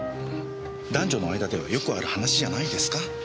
男女の間ではよくある話じゃないですか。